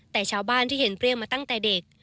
แต่ชาวบ้านที่เห็นเปรี้ยงมาตั้งแต่เด็ก